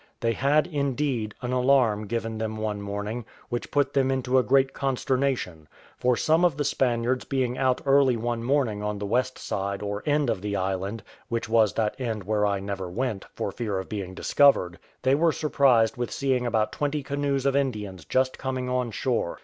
They had, indeed, an alarm given them one morning, which put them into a great consternation; for some of the Spaniards being out early one morning on the west side or end of the island (which was that end where I never went, for fear of being discovered), they were surprised with seeing about twenty canoes of Indians just coming on shore.